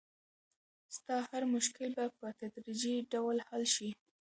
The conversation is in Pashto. ستا هر مشکل به په تدریجي ډول حل شي.